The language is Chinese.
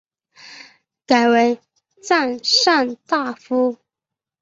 改为赞善大夫。